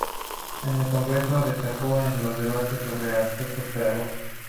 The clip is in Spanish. En el Congreso destacó en los debates sobre asuntos pedagógicos.